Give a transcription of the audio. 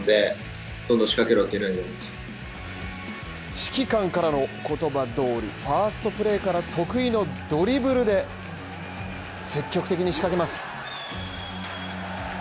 指揮官からの言葉通り、ファーストプレーから得意のドリブルで積極的に仕掛けます。